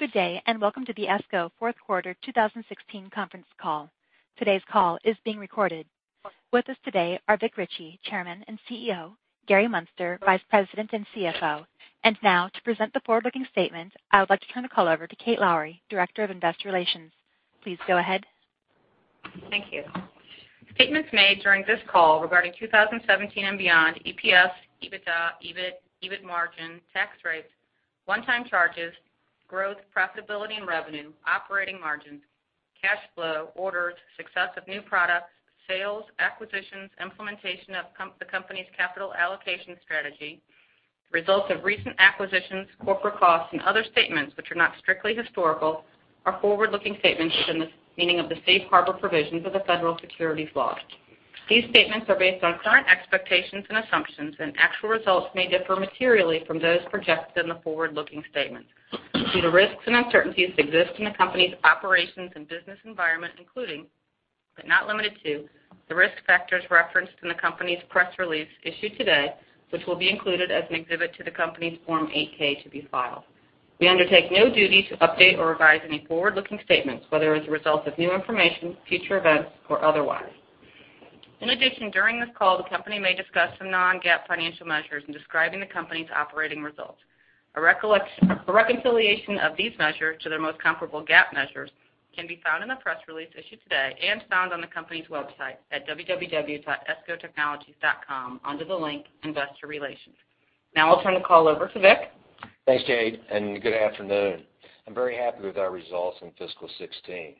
Good day, and welcome to the ESCO Fourth Quarter 2016 Conference Call. Today's call is being recorded. With us today are Vic Richey, Chairman and CEO, Gary Muenster, Vice President and CFO. And now, to present the forward-looking statement, I would like to turn the call over to Kate Lowrey, Director of Investor Relations. Please go ahead. Thank you. Statements made during this call regarding 2017 and beyond, EPS, EBITDA, EBIT, EBIT margin, tax rates, one-time charges, growth, profitability and revenue, operating margins, cash flow, orders, success of new products, sales, acquisitions, implementation of the company's capital allocation strategy, results of recent acquisitions, corporate costs, and other statements which are not strictly historical, are forward-looking statements within the meaning of the safe harbor provisions of the federal securities laws. These statements are based on current expectations and assumptions, and actual results may differ materially from those projected in the forward-looking statements. Due to risks and uncertainties that exist in the company's operations and business environment, including, but not limited to, the risk factors referenced in the company's press release issued today, which will be included as an exhibit to the company's Form 8-K to be filed. We undertake no duty to update or revise any forward-looking statements, whether as a result of new information, future events, or otherwise. In addition, during this call, the company may discuss some non-GAAP financial measures in describing the company's operating results. A reconciliation of these measures to their most comparable GAAP measures can be found in the press release issued today and found on the company's website at www.escotechnologies.com, under the link Investor Relations. Now I'll turn the call over to Vic. Thanks, Kate, and good afternoon. I'm very happy with our results in fiscal 2016,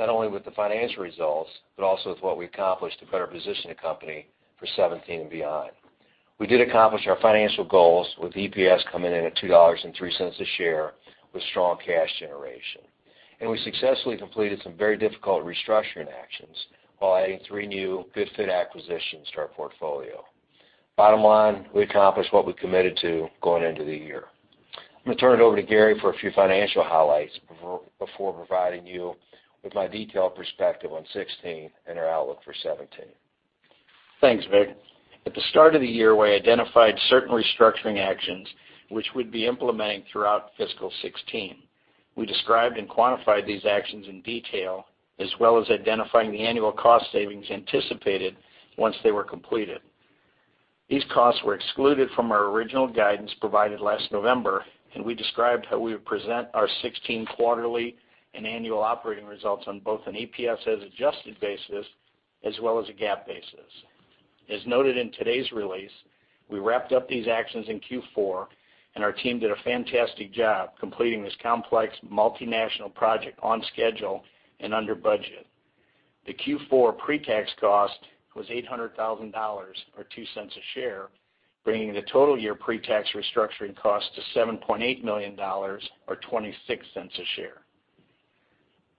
not only with the financial results, but also with what we accomplished to better position the company for 2017 and beyond. We did accomplish our financial goals, with EPS coming in at $2.03 a share, with strong cash generation. We successfully completed some very difficult restructuring actions while adding three new good fit acquisitions to our portfolio. Bottom line, we accomplished what we committed to going into the year. I'm going to turn it over to Gary for a few financial highlights before providing you with my detailed perspective on 2016 and our outlook for 2017. Thanks, Vic. At the start of the year, we identified certain restructuring actions which we'd be implementing throughout fiscal 2016. We described and quantified these actions in detail, as well as identifying the annual cost savings anticipated once they were completed. These costs were excluded from our original guidance provided last November, and we described how we would present our 2016 quarterly and annual operating results on both an EPS as adjusted basis as well as a GAAP basis. As noted in today's release, we wrapped up these actions in Q4, and our team did a fantastic job completing this complex, multinational project on schedule and under budget. The Q4 pre-tax cost was $800,000, or $0.02 a share, bringing the total year pre-tax restructuring cost to $7.8 million, or $0.26 a share.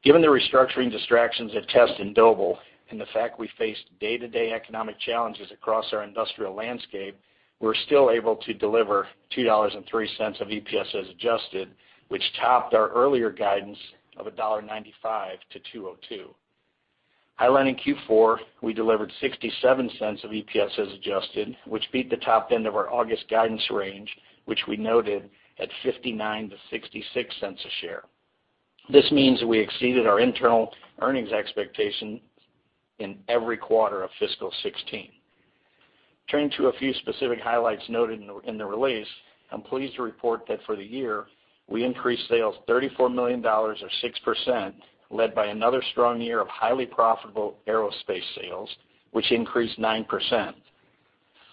Given the restructuring distractions at Test and Doble, and the fact we faced day-to-day economic challenges across our industrial landscape, we're still able to deliver $2.03 of EPS as adjusted, which topped our earlier guidance of $1.95-$2.02. Highlighting Q4, we delivered $0.67 of EPS as adjusted, which beat the top end of our August guidance range, which we noted at $0.59-$0.66 a share. This means we exceeded our internal earnings expectation in every quarter of fiscal 2016. Turning to a few specific highlights noted in the release, I'm pleased to report that for the year, we increased sales $34 million, or 6%, led by another strong year of highly profitable aerospace sales, which increased 9%.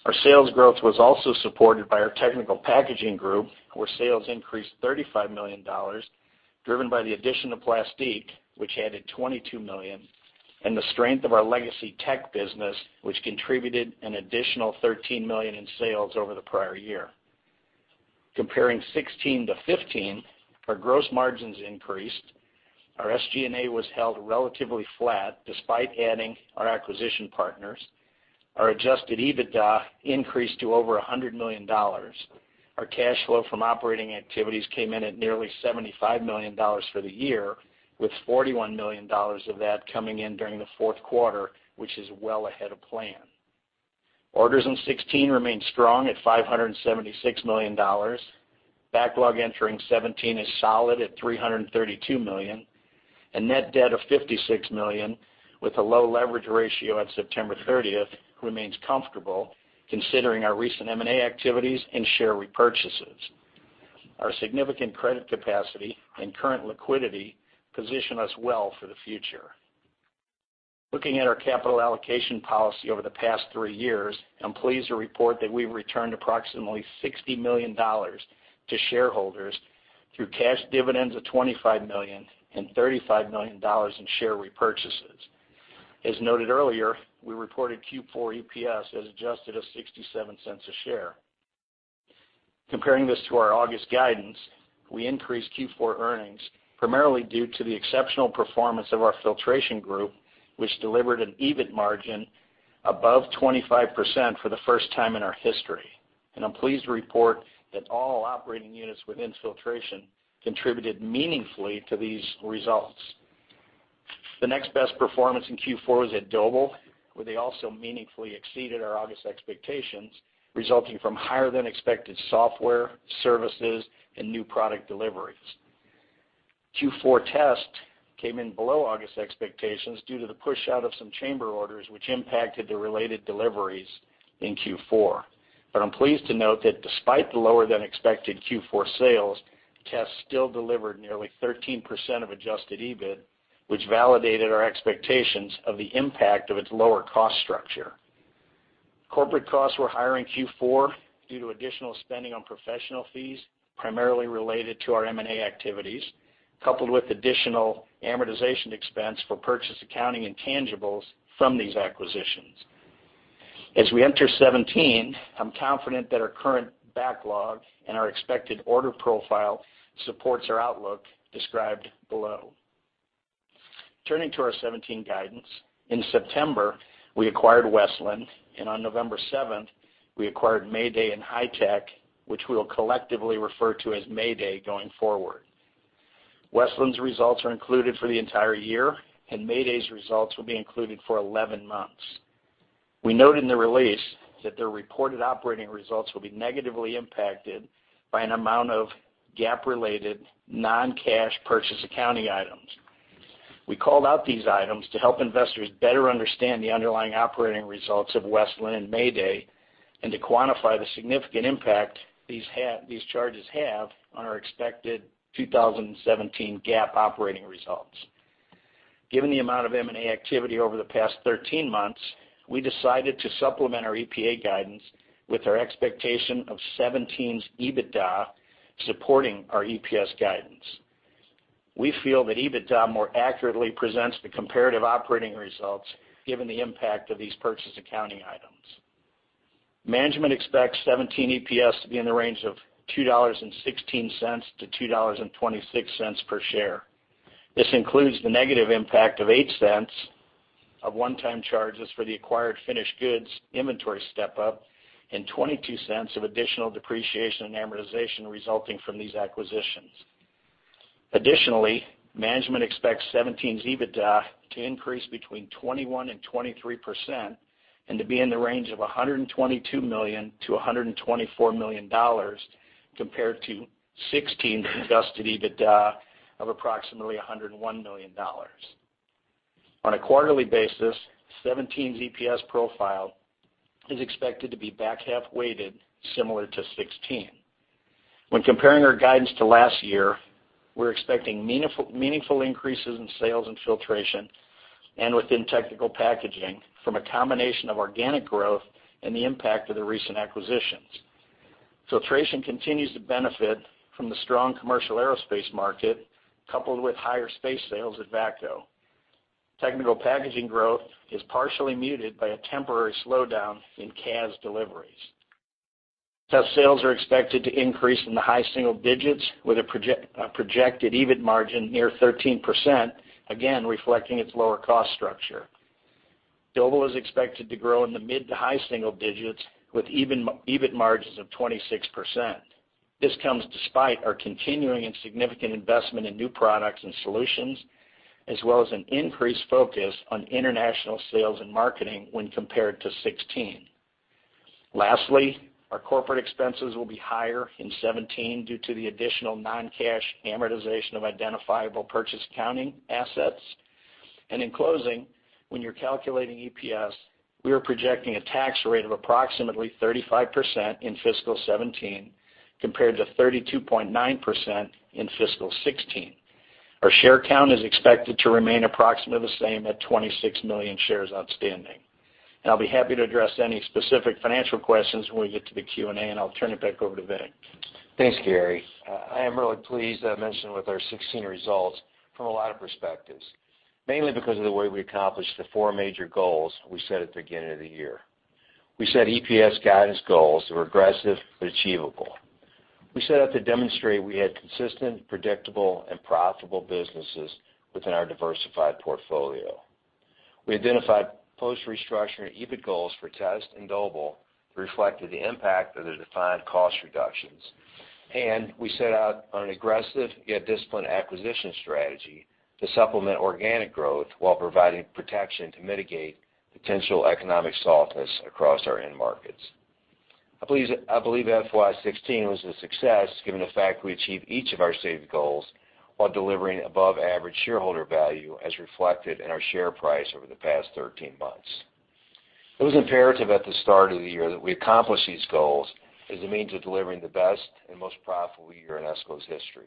Our sales growth was also supported by our technical packaging group, where sales increased $35 million, driven by the addition of Plastique, which added $22 million, and the strength of our legacy tech business, which contributed an additional $13 million in sales over the prior year. Comparing 2016 to 2015, our gross margins increased, our SG&A was held relatively flat despite adding our acquisition partners. Our adjusted EBITDA increased to over $100 million. Our cash flow from operating activities came in at nearly $75 million for the year, with $41 million of that coming in during the fourth quarter, which is well ahead of plan. Orders in 2016 remained strong at $576 million. Backlog entering 2017 is solid at $332 million, and net debt of $56 million, with a low leverage ratio on September 30th, remains comfortable considering our recent M&A activities and share repurchases. Our significant credit capacity and current liquidity position us well for the future. Looking at our capital allocation policy over the past three years, I'm pleased to report that we've returned approximately $60 million to shareholders through cash dividends of $25 million and $35 million in share repurchases. As noted earlier, we reported Q4 EPS as adjusted of $0.67 a share. Comparing this to our August guidance, we increased Q4 earnings, primarily due to the exceptional performance of our Filtration group, which delivered an EBIT margin above 25% for the first time in our history. And I'm pleased to report that all operating units within Filtration contributed meaningfully to these results. The next best performance in Q4 was at Doble, where they also meaningfully exceeded our August expectations, resulting from higher-than-expected software, services, and new product deliveries. Q4 Test came in below August expectations due to the push out of some chamber orders, which impacted the related deliveries in Q4. But I'm pleased to note that despite the lower-than-expected Q4 sales, Test still delivered nearly 13% of adjusted EBIT, which validated our expectations of the impact of its lower cost structure. Corporate costs were higher in Q4 due to additional spending on professional fees, primarily related to our M&A activities, coupled with additional amortization expense for purchase accounting intangibles from these acquisitions. As we enter 2017, I'm confident that our current backlog and our expected order profile supports our outlook described below. Turning to our 2017 guidance. In September, we acquired Westland, and on November 7th, we acquired Mayday and Hi-Tech, which we will collectively refer to as Mayday going forward. Westland's results are included for the entire year, and Mayday's results will be included for 11 months. We note in the release that their reported operating results will be negatively impacted by an amount of GAAP-related non-cash purchase accounting items. We called out these items to help investors better understand the underlying operating results of Westland and Mayday, and to quantify the significant impact these charges have on our expected 2017 GAAP operating results. Given the amount of M&A activity over the past 13 months, we decided to supplement our EPS guidance with our expectation of 2017's EBITDA supporting our EPS guidance. We feel that EBITDA more accurately presents the comparative operating results, given the impact of these purchase accounting items. Management expects 2017 EPS to be in the range of $2.16-$2.26 per share. This includes the negative impact of $0.08 of one-time charges for the acquired finished goods inventory step-up and $0.22 of additional depreciation and amortization resulting from these acquisitions. Additionally, management expects 2017's EBITDA to increase between 21% and 23% and to be in the range of $122 million-$124 million compared to 2016's adjusted EBITDA of approximately $101 million. On a quarterly basis, 2017's EPS profile is expected to be back-half weighted, similar to 2016. When comparing our guidance to last year, we're expecting meaningful, meaningful increases in sales in Filtration and within Technical Packaging from a combination of organic growth and the impact of the recent acquisitions. Filtration continues to benefit from the strong commercial aerospace market, coupled with higher space sales at VACCO. Technical Packaging growth is partially muted by a temporary slowdown in KAZ deliveries. Test sales are expected to increase in the high single digits, with a projected EBIT margin near 13%, again, reflecting its lower cost structure. Doble is expected to grow in the mid to high single digits with EBIT margins of 26%. This comes despite our continuing and significant investment in new products and solutions, as well as an increased focus on international sales and marketing when compared to 2016. Lastly, our corporate expenses will be higher in 2017 due to the additional non-cash amortization of identifiable purchase accounting assets. And in closing, when you're calculating EPS, we are projecting a tax rate of approximately 35% in fiscal 2017, compared to 32.9% in fiscal 2016. Our share count is expected to remain approximately the same at 26 million shares outstanding. I'll be happy to address any specific financial questions when we get to the Q&A, and I'll turn it back over to Vic. Thanks, Gary. I am really pleased, I mentioned with our 2016 results from a lot of perspectives, mainly because of the way we accomplished the four major goals we set at the beginning of the year. We set EPS guidance goals that were aggressive but achievable. We set out to demonstrate we had consistent, predictable, and profitable businesses within our diversified portfolio. We identified post-restructuring EBIT goals for Test and Doble that reflected the impact of the defined cost reductions. And we set out on an aggressive, yet disciplined, acquisition strategy to supplement organic growth while providing protection to mitigate potential economic softness across our end markets. I believe, I believe FY 2016 was a success, given the fact we achieved each of our stated goals while delivering above average shareholder value, as reflected in our share price over the past 13 months. It was imperative at the start of the year that we accomplish these goals as a means of delivering the best and most profitable year in ESCO's history.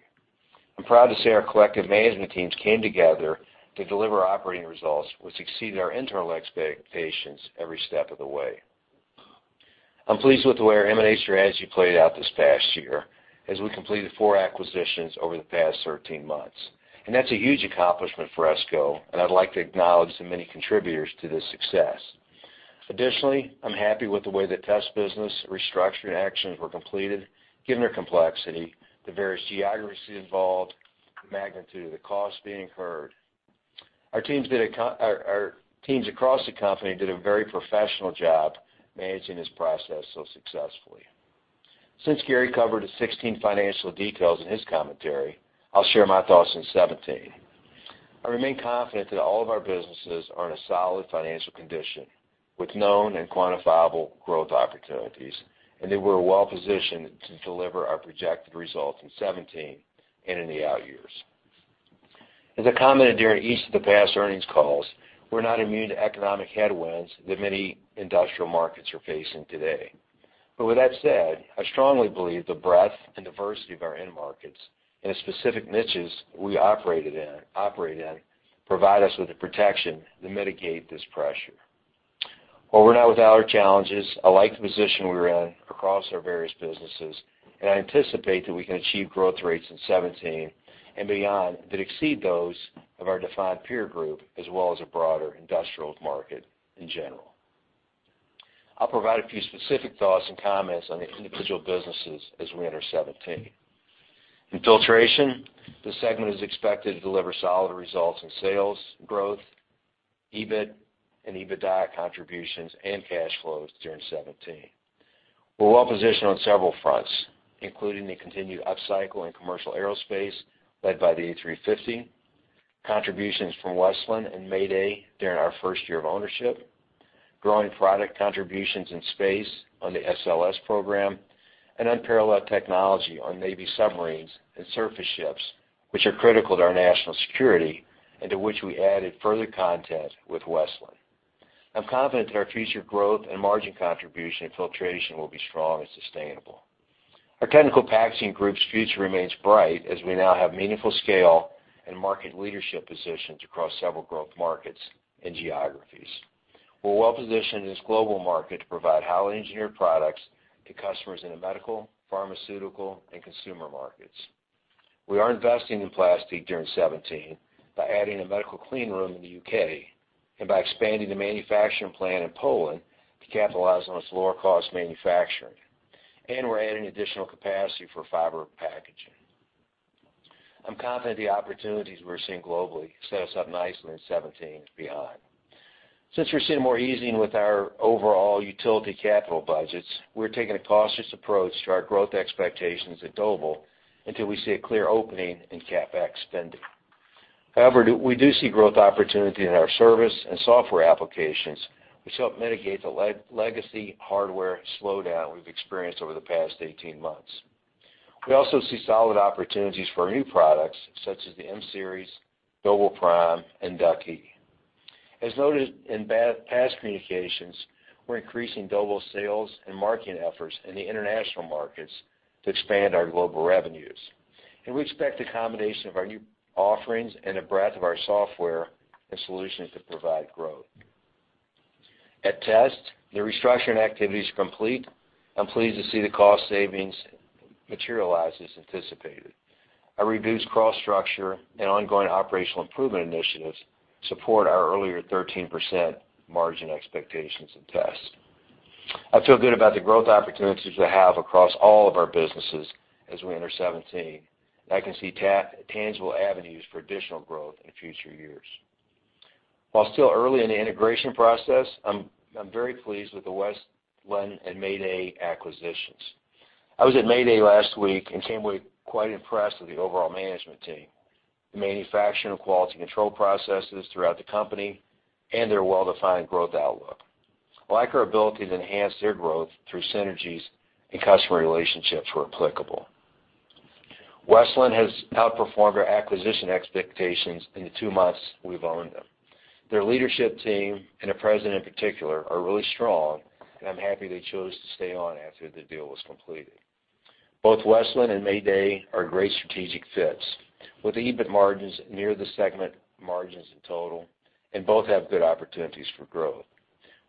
I'm proud to say our collective management teams came together to deliver operating results, which exceeded our internal expectations every step of the way. I'm pleased with the way our M&A strategy played out this past year, as we completed four acquisitions over the past 13 months, and that's a huge accomplishment for ESCO, and I'd like to acknowledge the many contributors to this success. Additionally, I'm happy with the way the Test business restructuring actions were completed, given their complexity, the various geographies involved, the magnitude of the costs being incurred. Our teams across the company did a very professional job managing this process so successfully. Since Gary covered the 2016 financial details in his commentary, I'll share my thoughts in 2017. I remain confident that all of our businesses are in a solid financial condition, with known and quantifiable growth opportunities, and that we're well-positioned to deliver our projected results in 2017 and in the out years. As I commented during each of the past earnings calls, we're not immune to economic headwinds that many industrial markets are facing today. But with that said, I strongly believe the breadth and diversity of our end markets and the specific niches we operated in, operate in, provide us with the protection to mitigate this pressure. While we're not without our challenges, I like the position we're in across our various businesses, and I anticipate that we can achieve growth rates in 2017 and beyond, that exceed those of our defined peer group, as well as a broader industrial market in general. I'll provide a few specific thoughts and comments on the individual businesses as we enter 2017. In Filtration, the segment is expected to deliver solid results in sales growth, EBIT and EBITDA contributions, and cash flows during 2017. We're well positioned on several fronts, including the continued upcycle in commercial aerospace, led by the A350, contributions from Westland and Mayday during our first year of ownership, growing product contributions in space on the SLS program, and unparalleled technology on Navy submarines and surface ships, which are critical to our national security, and to which we added further content with Westland. I'm confident that our future growth and margin contribution in Filtration will be strong and sustainable. Our Technical Packaging group's future remains bright, as we now have meaningful scale and market leadership positions across several growth markets and geographies. We're well positioned in this global market to provide highly engineered products to customers in the medical, pharmaceutical, and consumer markets. We are investing in Plastique during 2017 by adding a medical clean room in the U.K., and by expanding the manufacturing plant in Poland to capitalize on its lower cost manufacturing. We're adding additional capacity for fiber packaging. I'm confident the opportunities we're seeing globally set us up nicely in 2017 and beyond. Since we're seeing more easing with our overall utility capital budgets, we're taking a cautious approach to our growth expectations at Doble until we see a clear opening in CapEx spending. However, we do see growth opportunity in our service and software applications, which help mitigate the legacy hardware slowdown we've experienced over the past 18 months. We also see solid opportunities for new products, such as the M Series, Doble Prime, and Ducky. As noted in past communications, we're increasing Doble sales and marketing efforts in the international markets to expand our global revenues. And we expect the combination of our new offerings and the breadth of our software and solutions to provide growth. At Test, the restructuring activity is complete. I'm pleased to see the cost savings materialize as anticipated. A reduced cost structure and ongoing operational improvement initiatives support our earlier 13% margin expectations in Test. I feel good about the growth opportunities we have across all of our businesses as we enter 2017, and I can see tangible avenues for additional growth in future years. While still early in the integration process, I'm very pleased with the Westland and Mayday acquisitions. I was at Mayday last week and came away quite impressed with the overall management team, the manufacturing and quality control processes throughout the company, and their well-defined growth outlook. I like our ability to enhance their growth through synergies and customer relationships where applicable. Westland has outperformed our acquisition expectations in the two months we've owned them. Their leadership team, and the president in particular, are really strong, and I'm happy they chose to stay on after the deal was completed. Both Westland and Mayday are great strategic fits, with the EBIT margins near the segment margins in total, and both have good opportunities for growth.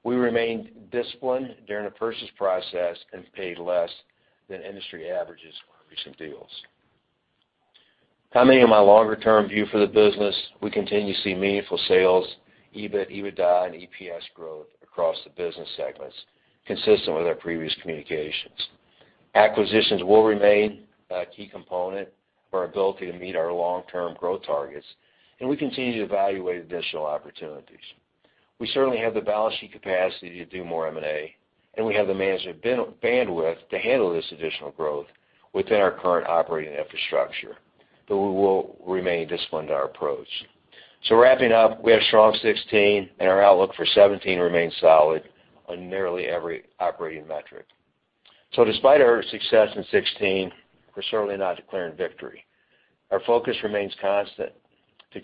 We remained disciplined during the purchase process and paid less than industry averages for recent deals. Coming to my longer-term view for the business, we continue to see meaningful sales, EBIT, EBITDA, and EPS growth across the business segments, consistent with our previous communications. Acquisitions will remain a key component of our ability to meet our long-term growth targets, and we continue to evaluate additional opportunities. We certainly have the balance sheet capacity to do more M&A, and we have the management bandwidth to handle this additional growth within our current operating infrastructure, but we will remain disciplined in our approach. So wrapping up, we had a strong 2016, and our outlook for 2017 remains solid on nearly every operating metric. Despite our success in 2016, we're certainly not declaring victory. Our focus remains constant: to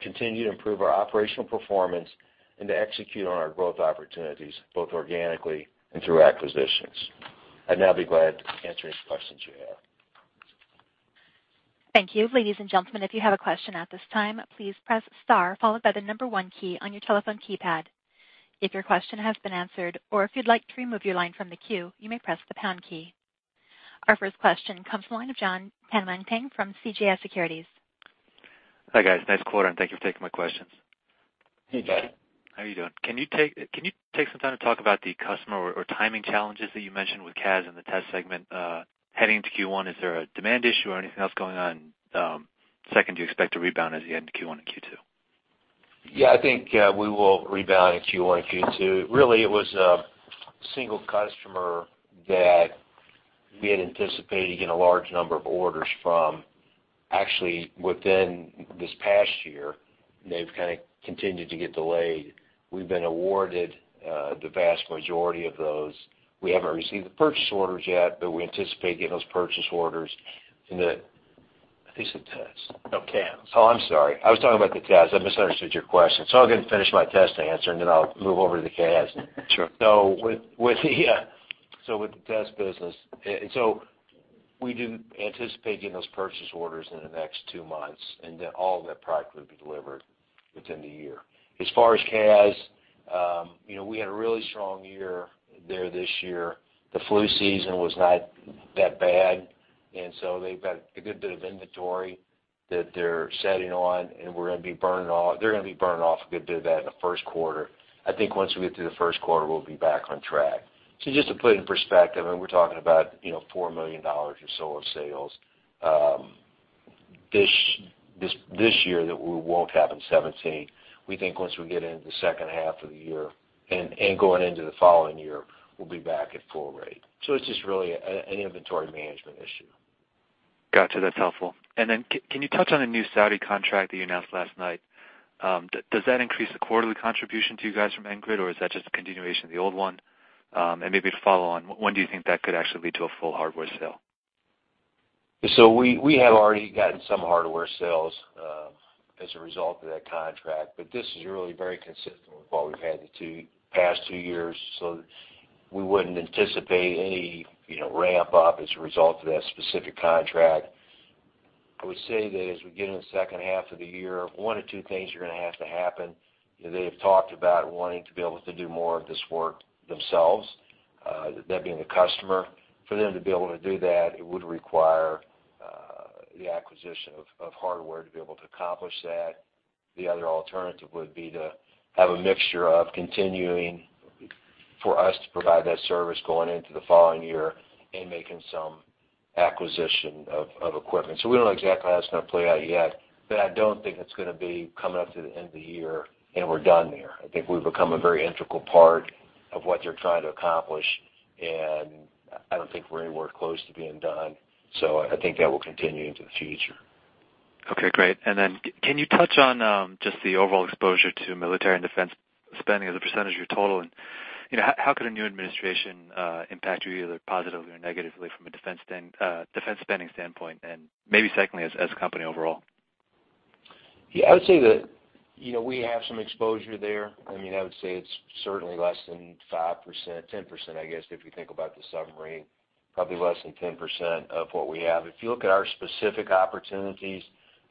continue to improve our operational performance and to execute on our growth opportunities, both organically and through acquisitions. I'd now be glad to answer any questions you have. Thank you. Ladies and gentlemen, if you have a question at this time, please press star followed by the number one key on your telephone keypad. If your question has been answered or if you'd like to remove your line from the queue, you may press the pound key. Our first question comes from the line of Jon Tanwanteng from CJS Securities. Hi, guys. Nice quarter, and thank you for taking my questions. Hey, John. How are you doing? Can you take some time to talk about the customer or timing challenges that you mentioned with KAZ in the Test segment heading into Q1? Is there a demand issue or anything else going on? Second, do you expect a rebound as the end of Q1 and Q2? Yeah, I think we will rebound in Q1 and Q2. Really, it was a single customer that we had anticipated getting a large number of orders from. Actually, within this past year, they've kind of continued to get delayed. We've been awarded the vast majority of those. We haven't received the purchase orders yet, but we anticipate getting those purchase orders, I think it's the Tests. No, KAZ. Oh, I'm sorry. I was talking about the tests. I misunderstood your question. So I'm going to finish my Test answer, and then I'll move over to the KAZ. Sure. So with the Test business, and so we do anticipate getting those purchase orders in the next two months, and then all of that product will be delivered within the year. As far as KAZ, you know, we had a really strong year there this year. The flu season was not that bad, and so they've got a good bit of inventory that they're sitting on, and we're going to be burning off. They're going to be burning off a good bit of that in the first quarter. I think once we get through the first quarter, we'll be back on track. So just to put it in perspective, and we're talking about, you know, $4 million or so of sales this year that we won't have in 2017. We think once we get into the second half of the year and going into the following year, we'll be back at full rate. So it's just really an inventory management issue. Got you. That's helpful. And then can you touch on the new Saudi contract that you announced last night? Does that increase the quarterly contribution to you guys from NGRID, or is that just a continuation of the old one? And maybe to follow on, when do you think that could actually lead to a full hardware sale? So we have already gotten some hardware sales as a result of that contract, but this is really very consistent with what we've had the past two years. So we wouldn't anticipate any, you know, ramp up as a result of that specific contract. I would say that as we get into the second half of the year, one of two things are going to have to happen. You know, they've talked about wanting to be able to do more of this work themselves, them being the customer. For them to be able to do that, it would require the acquisition of hardware to be able to accomplish that. The other alternative would be to have a mixture of continuing for us to provide that service going into the following year and making some acquisition of equipment. So we don't know exactly how that's going to play out yet, but I don't think it's going to be coming up to the end of the year, and we're done there. I think we've become a very integral part of what they're trying to accomplish, and I don't think we're anywhere close to being done. So I think that will continue into the future. Okay, great. And then can you touch on just the overall exposure to military and defense spending as a percentage of your total? And, you know, how could a new administration impact you either positively or negatively from a defense standpoint, and maybe secondly, as a company overall? Yeah, I would say that, you know, we have some exposure there. I mean, I would say it's certainly less than 5%, 10%, I guess, if you think about the submarine, probably less than 10% of what we have. If you look at our specific opportunities,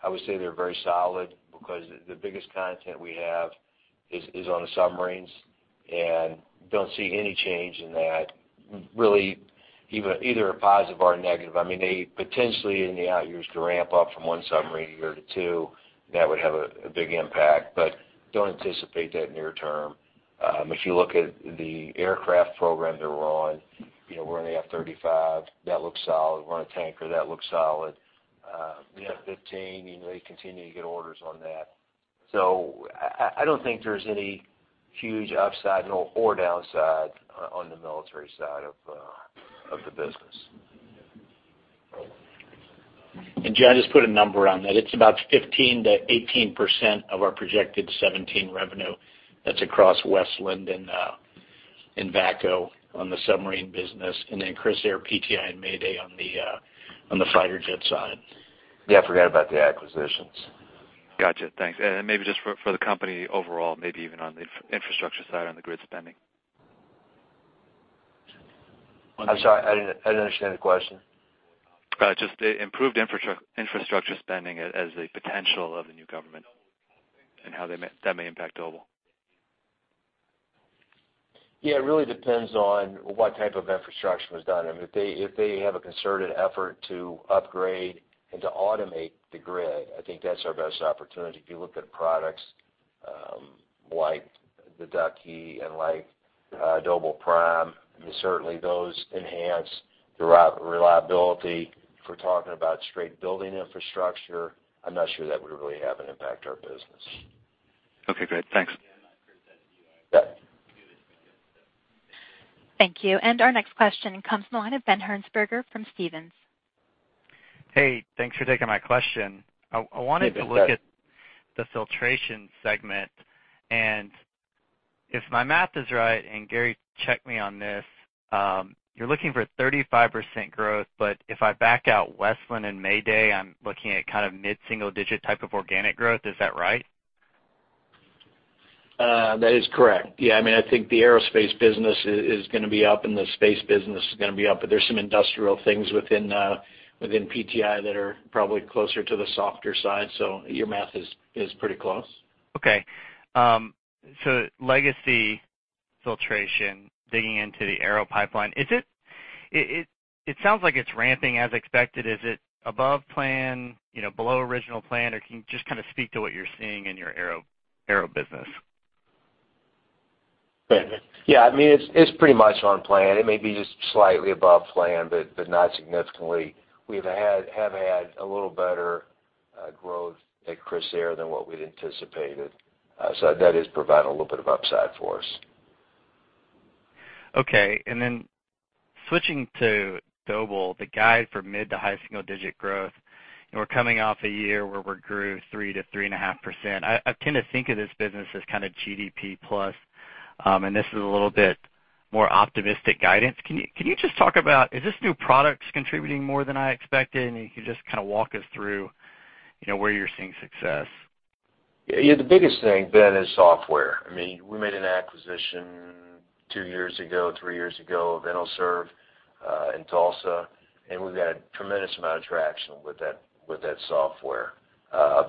I would say they're very solid because the biggest content we have is on the submarines, and don't see any change in that, really, even either a positive or a negative. I mean, they potentially in the out years to ramp up from one submarine a year to two, that would have a big impact, but don't anticipate that near term. If you look at the aircraft program that we're on, you know, we're in the F-35. That looks solid. We're on a tanker. That looks solid. The F-15, you know, they continue to get orders on that. So I don't think there's any huge upside or downside on the military side of the business. And John, just put a number on that. It's about 15%-18% of our projected 2017 revenue. That's across Westland and and VACCO on the submarine business, and then Crissair, PTI, and Mayday on the on the fighter jet side. Yeah, I forgot about the acquisitions. Gotcha. Thanks. And maybe just for the company overall, maybe even on the infrastructure side, on the grid spending? I'm sorry, I didn't, I didn't understand the question. Just the improved infrastructure spending as a potential of the new government and how they may, that may impact Doble? Yeah, it really depends on what type of infrastructure was done. I mean, if they have a concerted effort to upgrade and to automate the grid, I think that's our best opportunity. If you look at products like the Ducky and like Doble Prime, certainly those enhance the reliability. If we're talking about straight building infrastructure, I'm not sure that would really have an impact on our business. Okay, great. Thanks. Yep. Thank you. And our next question comes from the line of Ben Hearnsberger from Stephens. Hey, thanks for taking my question. Hey, Ben. I wanted to look at the Filtration segment, and if my math is right, and Gary, check me on this, you're looking for 35% growth. But if I back out Westland and Mayday, I'm looking at kind of mid-single-digit type of organic growth. Is that right? That is correct. Yeah, I mean, I think the aerospace business is going to be up, and the space business is going to be up, but there's some industrial things within PTI that are probably closer to the softer side. So your math is pretty close. Okay. So legacy, Filtration, digging into the aero pipeline, It sounds like it's ramping as expected. Is it above plan, you know, below original plan, or can you just kind of speak to what you're seeing in your aero business? Yeah, I mean, it's pretty much on plan. It may be just slightly above plan, but not significantly. We've had a little better growth at Crissair than what we'd anticipated. So that is providing a little bit of upside for us. Okay. And then switching to Doble, the guide for mid- to high-single-digit growth, and we're coming off a year where we grew 3%-3.5%. I tend to think of this business as kind of GDP plus, and this is a little bit more optimistic guidance. Can you just talk about, is this new products contributing more than I expected? And you can just kind of walk us through, you know, where you're seeing success. Yeah, the biggest thing, Ben, is software. I mean, we made an acquisition two years ago, three years ago, ENOSERV, in Tulsa, and we've had a tremendous amount of traction with that, with that software,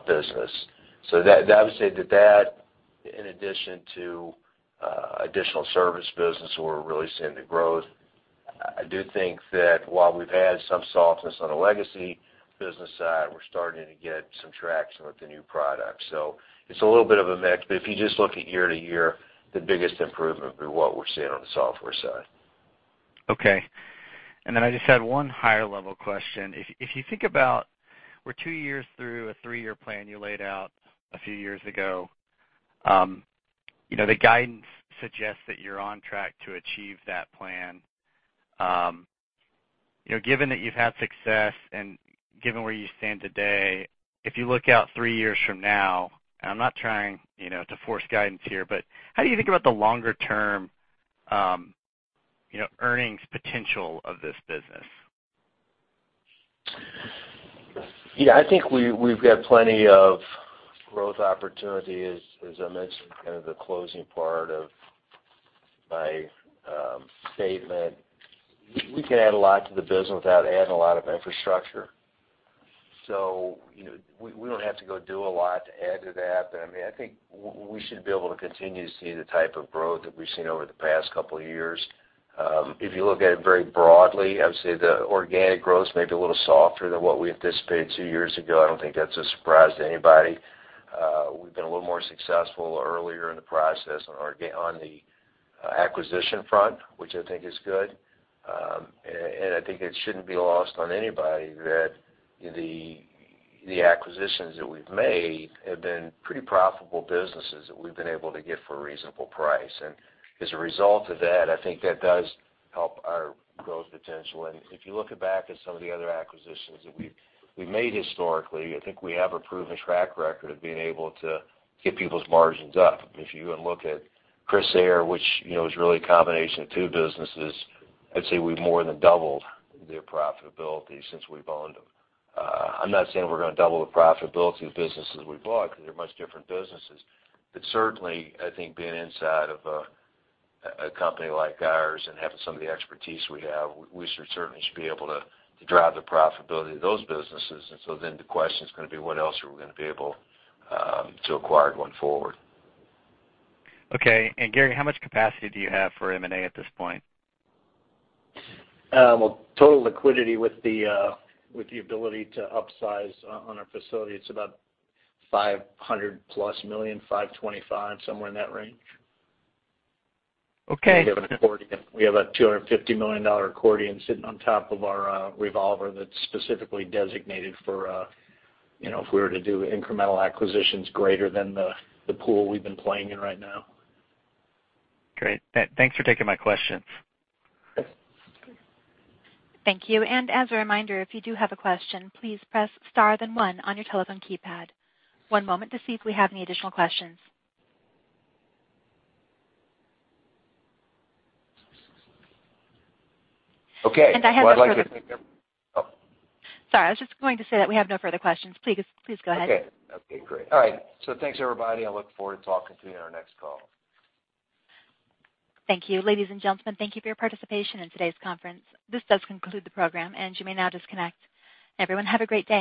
business. So that, I would say that that, in addition to, additional service business, we're really seeing the growth. I do think that while we've had some softness on the legacy business side, we're starting to get some traction with the new product. So it's a little bit of a mix, but if you just look at year-to-year, the biggest improvement is what we're seeing on the software side. Okay. And then I just had one higher level question. If you think about we're two years through a three-year plan you laid out a few years ago, you know, the guidance suggests that you're on track to achieve that plan. You know, given that you've had success and given where you stand today, if you look out three years from now, and I'm not trying, you know, to force guidance here, but how do you think about the longer term, you know, earnings potential of this business? Yeah, I think we, we've got plenty of growth opportunity, as, as I mentioned, kind of the closing part of my statement. We can add a lot to the business without adding a lot of infrastructure. So, you know, we, we don't have to go do a lot to add to that. But, I mean, I think we should be able to continue to see the type of growth that we've seen over the past couple of years. If you look at it very broadly, I would say the organic growth may be a little softer than what we anticipated two years ago. I don't think that's a surprise to anybody. We've been a little more successful earlier in the process on the acquisition front, which I think is good. And I think it shouldn't be lost on anybody that the acquisitions that we've made have been pretty profitable businesses that we've been able to get for a reasonable price. And as a result of that, I think that does help our growth potential. And if you look back at some of the other acquisitions that we've made historically, I think we have a proven track record of being able to get people's margins up. If you go and look at Crissair, which, you know, is really a combination of two businesses, I'd say we've more than doubled their profitability since we've owned them. I'm not saying we're gonna double the profitability of the businesses we've bought because they're much different businesses. But certainly, I think being inside of a company like ours and having some of the expertise we have, we should certainly be able to drive the profitability of those businesses. And so then the question is gonna be, what else are we gonna be able to acquire going forward? Okay. And, Gary, how much capacity do you have for M&A at this point? Well, total liquidity with the, with the ability to upsize on our facility, it's about $500+ million, $525 million, somewhere in that range. Okay. We have an accordion. We have a $250 million accordion sitting on top of our revolver that's specifically designated for, you know, if we were to do incremental acquisitions greater than the pool we've been playing in right now. Great. Thanks for taking my questions. Thank you. And as a reminder, if you do have a question, please press star, then one on your telephone keypad. One moment to see if we have any additional questions. Okay. I have no further, Oh. Sorry, I was just going to say that we have no further questions. Please, please go ahead. Okay. Okay, great. All right. Thanks, everybody. I look forward to talking to you on our next call. Thank you. Ladies and gentlemen, thank you for your participation in today's conference. This does conclude the program, and you may now disconnect. Everyone, have a great day.